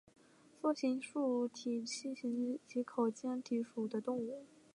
梭形坚体吸虫为棘口科坚体属的动物。